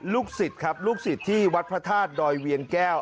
สิทธิ์ครับลูกศิษย์ที่วัดพระธาตุดอยเวียงแก้ว